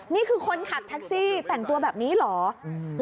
นี่คือคนขับแท็กซี่แต่งตัวแบบนี้เหรอ